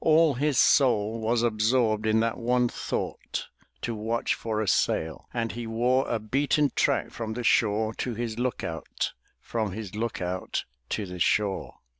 All his soul was absorbed in that one thought, to watch for a sail, and he wore a beaten track from the shore to his look out, from his look out to the shore.